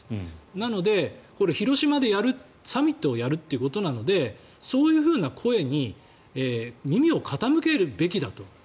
なのでこれ、広島でサミットをやるということなのでそういう声に耳を傾けるべきだと。